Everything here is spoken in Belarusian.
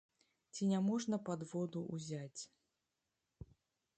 Ці няможна падводу ўзяць.